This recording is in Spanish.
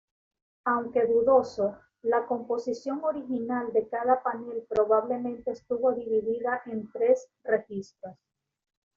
Aunque dudoso, la composición original de cada panel probablemente estuvo dividida en tres registros.